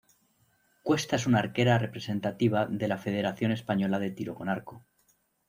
Cuesta es una arquera representativa de la Federación Española de Tiro con Arco.